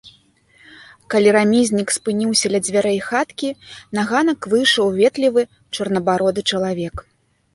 Калі рамізнік спыніўся ля дзвярэй хаткі, на ганак выйшаў ветлівы чорнабароды чалавек.